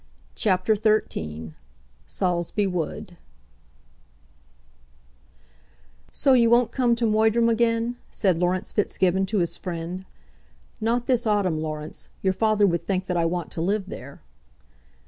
CHAPTER XIII Saulsby Wood "So you won't come to Moydrum again?" said Laurence Fitzgibbon to his friend. "Not this autumn, Laurence. Your father would think that I want to live there."